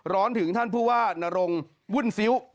ร้อนถึงท่านคือว่านรงวุ่นซิ้ว